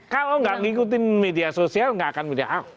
kalau nggak ngikutin media sosial nggak akan media ahok